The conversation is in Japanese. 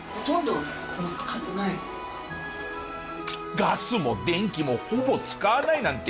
ガスも電気もほぼ使わないなんて。